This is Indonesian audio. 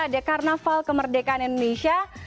ada karnaval kemerdekaan indonesia